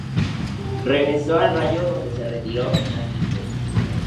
Regresó al Rayo donde se retiró finalmente.